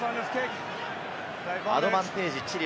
アドバンテージ、チリ。